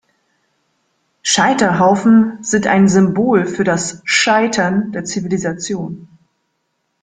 Scheiterhaufen sind ein Symbol für das Scheitern der Zivilisation.